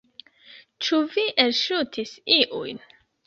Ĉu vi elŝutis iujn?